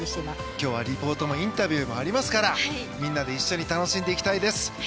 今日もリポートもインタビューもありますからみんなで一緒に楽しんでいきたいです。